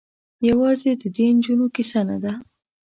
یوازې د دې نجونو کيسه نه ده.